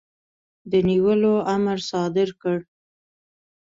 د نیولو امر صادر کړ.